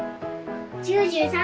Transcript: ９３！